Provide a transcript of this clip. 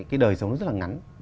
cái đời sống nó rất là ngắn